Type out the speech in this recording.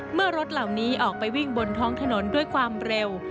เมื่อรถเหล่านี้ออกไปวิ่งบนท้องถนนด้วยความเร็ว